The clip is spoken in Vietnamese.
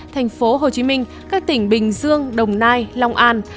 thành phố hồ chí minh các tỉnh bình dương đồng nai long an